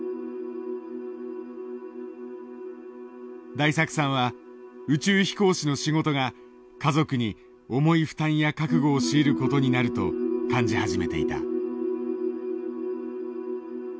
大作さんは宇宙飛行士の仕事が家族に重い負担や覚悟を強いる事になると感じ始めていた。